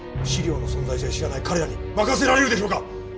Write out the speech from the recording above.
資料の存在さえ知らない彼らに任せられるでしょうか。